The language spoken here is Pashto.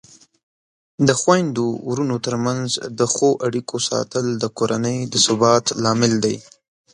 د خویندو ورونو ترمنځ د ښو اړیکو ساتل د کورنۍ د ثبات لامل دی.